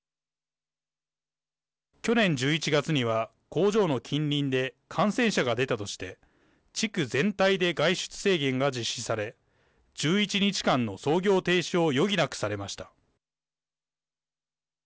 去年１１月には工場の近隣で感染者が出たとして地区全体で外出制限が実施され１１日間の操業停止を余儀なくされました。